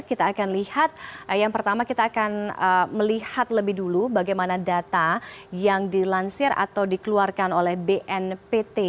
kita akan melihat lebih dulu bagaimana data yang dilansir atau dikeluarkan oleh bnpt